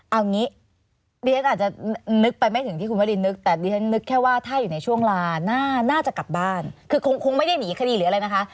เอางี้เรียนอาจจะนึกไปไม่ถึงที่คุณวรินนึกแต่ดิฉันนึกแค่ว่าถ้าอยู่ในช่วงลาน่าจะกลับบ้านคือคงไม่ได้หนีคดีหรืออะไรนะคะ